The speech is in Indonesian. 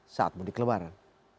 saat mudik lebaran